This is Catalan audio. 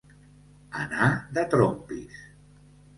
Anar de trompis.